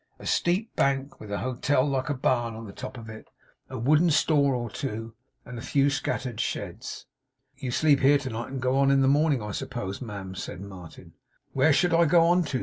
A steep bank with an hotel like a barn on the top of it; a wooden store or two; and a few scattered sheds. 'You sleep here to night, and go on in the morning, I suppose, ma'am?' said Martin. 'Where should I go on to?